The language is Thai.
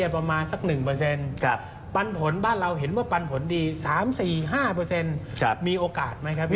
ปันผลบ้านเราเห็นว่าปันผลดี๓๔๕มีโอกาสไหมครับพี่